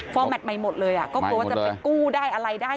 ฟอร์แมตต์ใหม่หมดเลยก็บอกว่าจะไปกู้อะไรได้